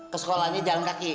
ke sekolahnya jalan kaki